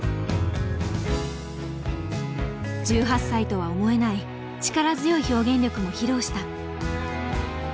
１８歳とは思えない力強い表現力も披露した。